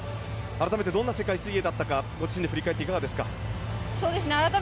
改めてどんな世界水泳だったかご自身で振り返っていかがでしたか？